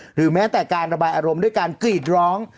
หรือแม้แต่การระบายอารมณ์ด้วยการกรีดร้อง